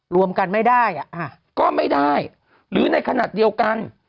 รวมกันไม่ได้ก็ไม่ได้หรือในขณะเดียวกัน